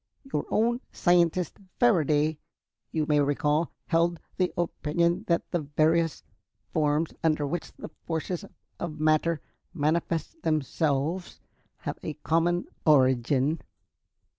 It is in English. Your own scientist, Faraday, you may recall, held the opinion that the various forms under which the forces of matter manifest themselves have a common origin.